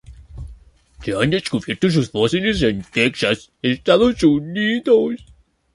Se han descubierto sus fósiles en Texas, Estados Unidos.